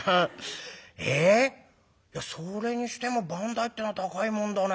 えそれにしても番台ってのは高いもんだね。